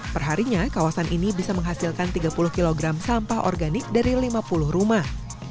perharinya kawasan ini bisa menghasilkan tiga puluh kg sampah organik dari lima puluh rumah